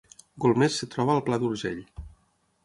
Golmés es troba al Pla d’Urgell